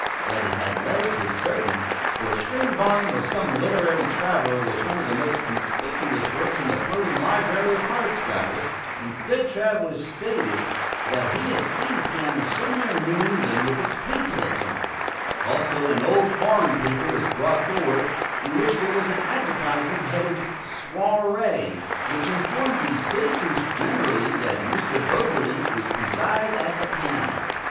That it had legs was certain; for a stray volume of some literary traveler was one of the most conspicuous works in the floating library of Hardscrabble, and said traveler stated that he had seen a piano somewhere in New England with pantalets on; also, an old foreign paper was brought forward, in which there was an advertisement headed "Soirée," which informed the "citizens, generally," that Mr. Bobolink would preside at the piano.